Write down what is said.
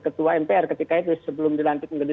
ketua mpr ketika itu sebelum dilantik menjadi